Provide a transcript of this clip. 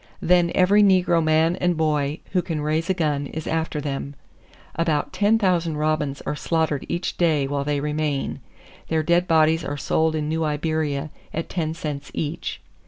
"Then every negro man and boy who can raise a gun is after them. About 10,000 robins are slaughtered each day while they remain. Their dead bodies are sold in New Iberia at 10 cents each."